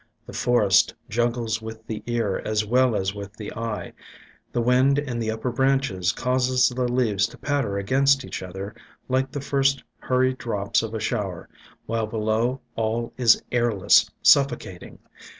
The forest juggles with the ear as well as with the eye. The wind in the upper branches causes the leaves to patter against each other like the first hurried drops of a shower, while below all is airless, suffocating.